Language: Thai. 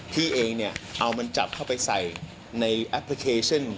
พี่เองเนี่ยเอามันจับเข้าไปใส่ในแอปพลิเคชัน